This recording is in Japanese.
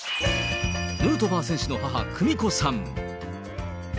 ヌートバー選手の母、久美子さん。